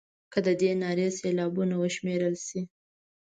که د دې نارې سېلابونه وشمېرل شي.